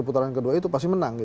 putaran kedua itu pasti menang